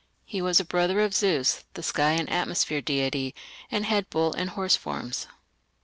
He was a brother of Zeus, the sky and atmosphere deity, and had bull and horse forms.